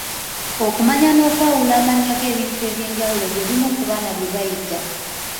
Okumanya n’okwawula amannya g’ebintu eby’enjawulo bye bimu ku baana bye bayiga.